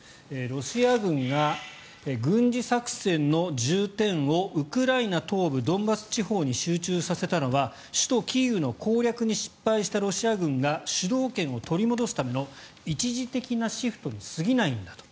ロシア軍が軍事作戦の重点をウクライナ東部ドンバス地方に集中させたのは首都キーウの攻略に失敗したロシア軍が主導権を取り戻すための一時的なシフトに過ぎないんだと。